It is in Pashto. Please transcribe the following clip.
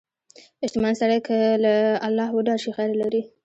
• شتمن سړی که له الله وډار شي، خیر لري.